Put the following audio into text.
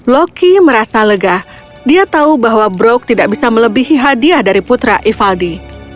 loki merasa lega dia tahu bahwa brok tidak bisa melebihi hadiah dari putra ivaldi